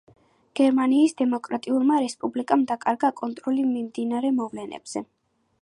გერმანიის დემოკრატიულმა რესპუბლიკამ დაკარგა კონტროლი მიმდინარე მოვლენებზე.